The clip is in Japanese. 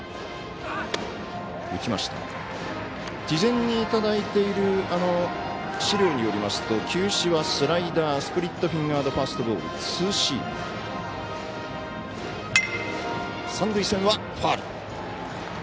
事前にいただいている資料によりますと球種はスライダースプリットフィンガードファストボールツーシーム。